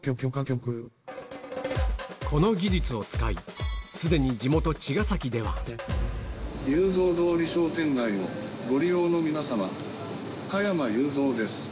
この技術を使い、すでに地元、雄三通り商店街をご利用の皆様、加山雄三です。